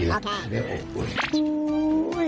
นอน